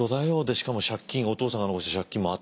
しかも借金お父さんが残した借金もあったんでしょ。